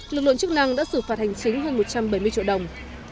lực lượng chức năng đã xử phạt hành chính hơn một trăm bảy mươi triệu đồng